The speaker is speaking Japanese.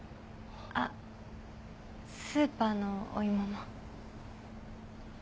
あっスーパーのお芋も。